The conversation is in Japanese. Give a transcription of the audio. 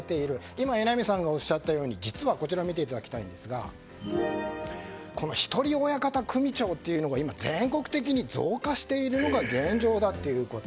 今、榎並さんがおっしゃったようにひとり親方組長というのが全国的に増加しているのが現状だということ。